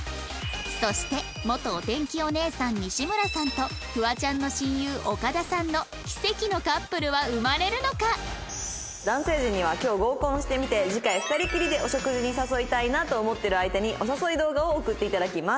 そして元お天気お姉さん西村さんとフワちゃんの親友岡田さんの男性陣には今日合コンしてみて次回２人きりでお食事に誘いたいなと思ってる相手にお誘い動画を送って頂きます。